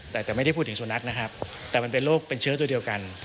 แต่แต่ไม่ได้พูดถึงสุนัขนะครับแต่มันเป็นโรคเป็นเชื้อตัวเดียวกัน